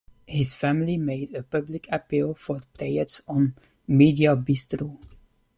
His family made a public appeal for prayers on Mediabistro.